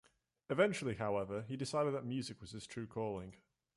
Eventually, however, he decided that music was his true calling.